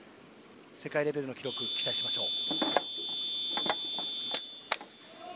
世界レベルの記録期待しましょう。